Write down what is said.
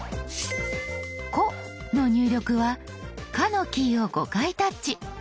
「こ」の入力は「か」のキーを５回タッチ。